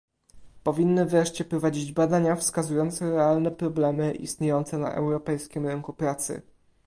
Powinny wreszcie prowadzić badania wskazujące realne problemy istniejące na europejskim rynku pracy